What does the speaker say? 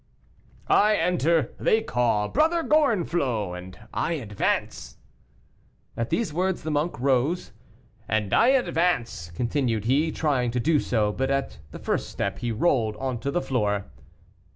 "I enter; they call Brother Gorenflot, and I advance " At these words the monk rose. "And I advance," continued he, trying to do so, but at the first step he rolled on the floor.